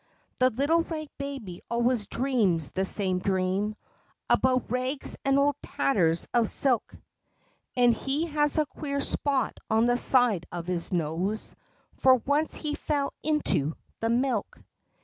The little rag baby always dreams the same dream, About rags and old tatters of silk, And he has a queer spot on the side of his nose, For once he fell into the milk.